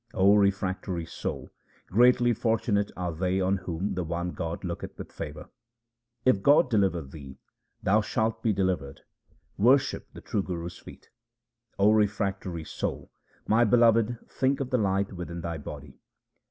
O refractory soul, greatly fortunate are they on whom the one God looketh with favour. If God deliver thee, thou shalt be delivered ; worship the true Guru's feet. O refractory soul, my beloved, think of the Light within thy body.